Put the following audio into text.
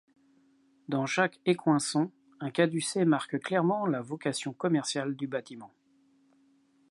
Dans chaque écoinçon, un caducée marque clairement la vocation commerciale du bâtiment.